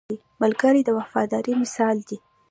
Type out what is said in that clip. ملګری د وفادارۍ مثال دی